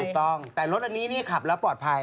ถูกต้องแต่รถอันนี้นี่ขับแล้วปลอดภัย